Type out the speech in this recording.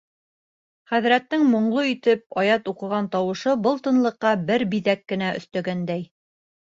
Хәҙрәттең моңло итеп аят уҡыған тауышы был тынлыҡҡа бер биҙәк кенә өҫтәгәндәй.